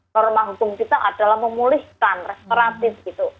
norma hukum kita adalah memulihkan restoratif gitu